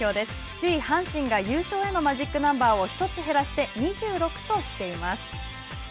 首位阪神が優勝へのマジックナンバーを１つ減らして２６としています。